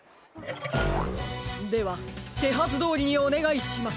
ではてはずどおりにおねがいします。